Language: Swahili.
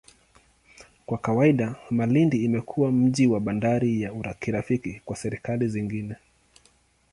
Kwa kawaida, Malindi umekuwa mji na bandari ya kirafiki kwa serikali zingine.